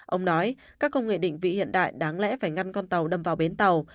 ông nói các công nghệ định vị hiện đại đáng lẽ phải ngăn con tàu đâm vào bến tàu